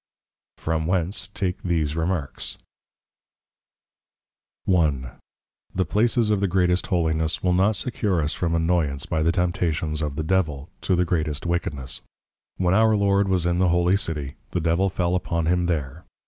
_ From whence take these Remarks. I. The places of the greatest Holiness will not secure us from Annoyance by the Temptations of the Devil, to the greatest wickedness. When our Lord was in the Holy City, the Devil fell upon him there.